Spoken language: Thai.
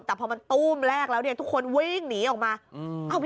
แต่พอมันตู้มแรกแล้วเนี่ยทุกคนวิ่งหนีออกมา